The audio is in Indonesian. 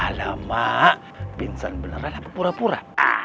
alamak bintang beneran perpura pura